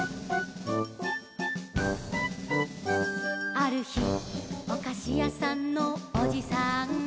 「あるひおかしやさんのおじさんが」